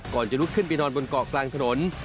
จะลุกขึ้นไปนอนบนเกาะกลางถนน